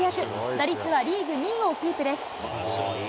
打率はリーグ２位をキープです。